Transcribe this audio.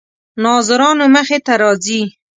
ناظرانو مخې ته راځي.